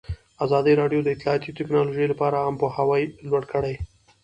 ازادي راډیو د اطلاعاتی تکنالوژي لپاره عامه پوهاوي لوړ کړی.